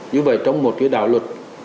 như vậy trong một đảo luật